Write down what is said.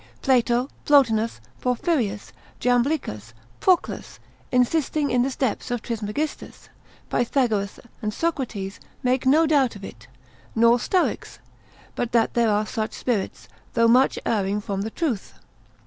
Plato, Plotinus, Porphyrius, Jamblichus, Proclus, insisting in the steps of Trismegistus, Pythagoras and Socrates, make no doubt of it: nor Stoics, but that there are such spirits, though much erring from the truth.